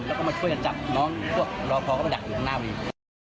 แล้วก็มาช่วยกันจับน้องพวกรอพอเข้าไปดักอยู่ข้างหน้าวี